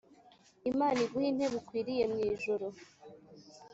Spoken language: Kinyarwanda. imana iguha intebe ukwiriye mu ijuru